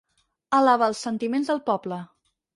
Elevar els sentiments del poble.